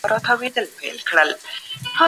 پانګه بايد په سمو ځايونو کي مصرف سي.